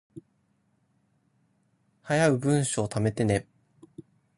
早う文章溜めてね